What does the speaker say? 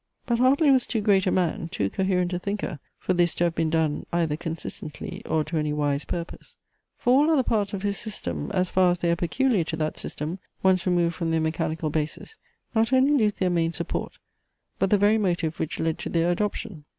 But Hartley was too great a man, too coherent a thinker, for this to have been done, either consistently or to any wise purpose. For all other parts of his system, as far as they are peculiar to that system, once removed from their mechanical basis, not only lose their main support, but the very motive which led to their adoption.